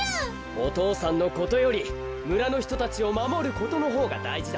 お父さんのことよりむらのひとたちをまもることのほうがだいじだ。